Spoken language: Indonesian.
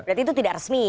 berarti itu tidak resmi